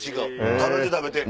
食べて食べて。